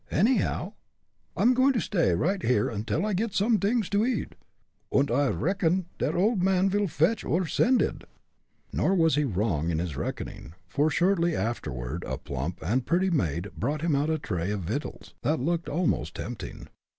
Anyhow, I'm going to stay right here undil I gets somedings to eat, und I reckon der old man vil fetch or send id." Nor was he wrong in his reckoning, for shortly afterward a plump and pretty maid brought him out a tray of victuals that looked most tempting.